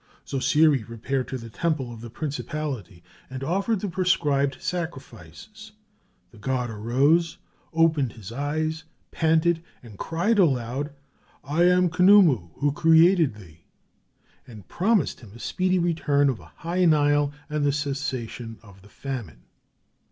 Zosiri repaired to the temple of the principality and offered the prescribed sacrifices; the god arose, opened his eyes, panted, and cried aloud, "I am Khnumu who created thee!" and promised him a speedy return of a high Nile and the cessation of the famine.